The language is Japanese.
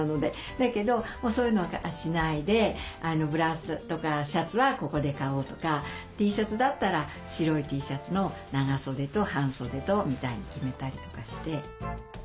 だけどもうそういうのはしないでブラウスとかシャツはここで買おうとかＴシャツだったら白いＴシャツの長袖と半袖とみたいに決めたりとかして。